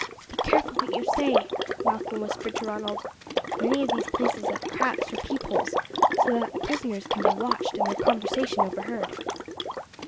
"Be careful what you say," Malcolm whispered to Ronald. "Many of these places have cracks or peepholes, so that the prisoners can be watched and their conversation overheard."